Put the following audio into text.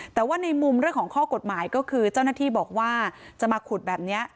แต่ว่าในมุมเรื่องของข้อกฎหมายก็คือเจ้าหน้าที่บอกว่าจะมาขุดแบบนี้